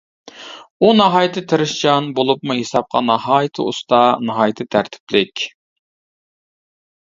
ئۇ ناھايىتى تىرىشچان، بولۇپمۇ ھېسابقا ناھايىتى ئۇستا، ناھايىتى تەرتىپلىك.